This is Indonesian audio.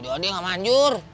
doa dia gak maju